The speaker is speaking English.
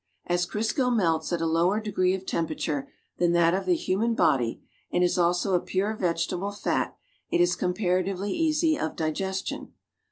As Crisco melts at a lower degree of temperature than that of the human body and is also a pure vegetable fat, it is com paratively easy of digestion.